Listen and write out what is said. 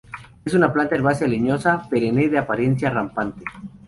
Es una planta herbácea leñosa, perenne de apariencia rampante.